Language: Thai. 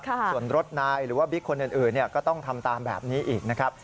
ส่วนรถนายหรือว่าบิ๊กคนอื่นก็ต้องทำตามแบบนี้อีกนะครับ